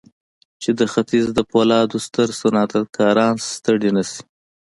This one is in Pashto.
چې د ختيځ د پولادو ستر صنعتکاران ستړي نه شي.